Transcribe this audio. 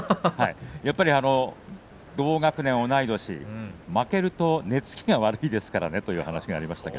やっぱり同学年同い年、負けると寝つきが悪いですからねという話がありました。